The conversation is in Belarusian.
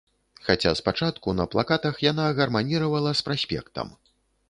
Хаця спачатку, на плакатах, яна гарманіравала з праспектам.